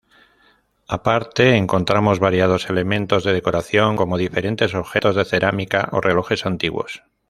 Aparte encontramos variados elementos de decoración, como diferentes objetos de cerámica o relojes antiguos.